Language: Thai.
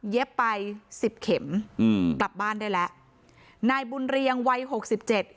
ไปสิบเข็มอืมกลับบ้านได้แล้วนายบุญเรียงวัยหกสิบเจ็ด